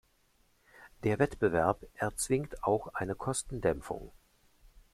Der Wettbewerb erzwingt auch eine Kostendämpfung.